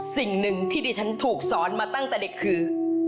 สิ่งหนึ่งที่ดิฉันถูกสอนมาตั้งแต่เด็กคือ